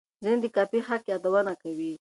ځینې د کاپي حق یادونه کوي.